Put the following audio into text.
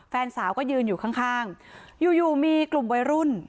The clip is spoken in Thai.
แฟนสาวก็ยืนอยู่ข้างอยู่อยู่มีกลุ่มวัยรุ่น